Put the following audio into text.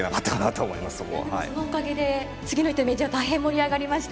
でもそのおかげで次の一手名人は大変盛り上がりました。